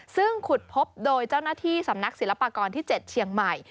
ซึ่งขุดพบโดยเจ้าหน้าที่สำนักศิลปากรที่๗เชียงใหม่